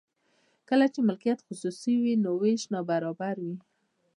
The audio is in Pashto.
کله چې مالکیت خصوصي وي نو ویش نابرابر وي.